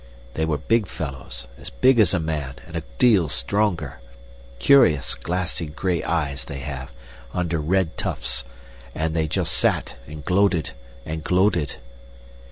They were big fellows, as big as a man and a deal stronger. Curious glassy gray eyes they have, under red tufts, and they just sat and gloated and gloated.